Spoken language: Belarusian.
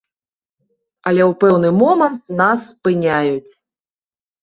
Але ў пэўны момант нас спыняюць.